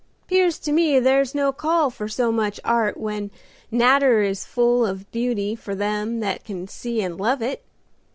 "'Pears to me there's no call for so much art when nater is full of beauty for them that can see and love it.